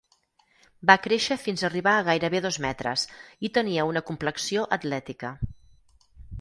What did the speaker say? Va créixer fins arribar a gairebé dos metres i tenia una complexió atlètica.